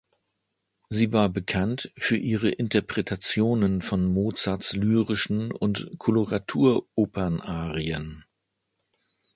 Sie war bekannt für ihre Interpretationen von Mozarts lyrischen und Koloratur-Opernarien.